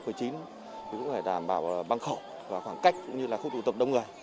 chúng tôi cũng phải đảm bảo băng khẩu và khoảng cách cũng như là khu tụ tập đông người